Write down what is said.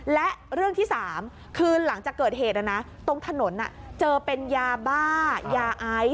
และเรื่องที่๓คือหลังจากเกิดเหตุตรงถนนเจอเป็นยาบ้ายาไอซ